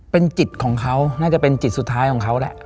เป็นจิตของเขาน่าจะเป็นจิตสุดท้ายของเขาแหละ